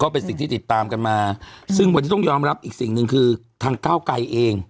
เป็นสิ่งที่ติดตามกันมาซึ่งวันนี้ต้องยอมรับอีกสิ่งหนึ่งคือทางก้าวไกรเอง